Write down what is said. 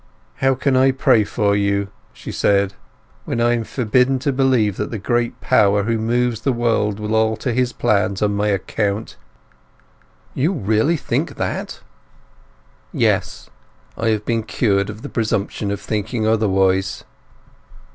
"How can I pray for you," she said, "when I am forbidden to believe that the great Power who moves the world would alter His plans on my account?" "You really think that?" "Yes. I have been cured of the presumption of thinking otherwise."